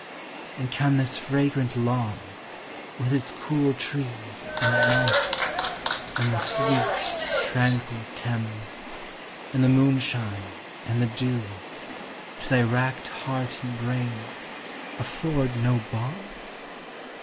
And can this fragrant lawn, With its cool trees, and night, ANIMATE NATURE. 309 And the sweet, tranquil Thames, And the moonshine, and the dew, To thy racked heart and brain Afford no balm?